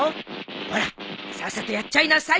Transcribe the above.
ほらさっさとやっちゃいなさい。